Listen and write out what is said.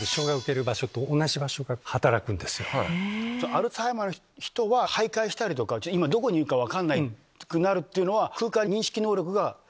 アルツハイマーの人が徘徊したりとか今どこにいるか分かんなくなるのは。